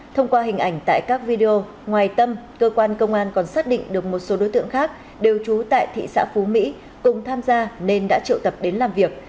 thông qua hình ảnh tại các video ngoài tâm cơ quan công an còn xác định được một số đối tượng khác đều trú tại thị xã phú mỹ cùng tham gia nên đã triệu tập đến làm việc